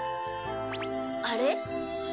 あれ？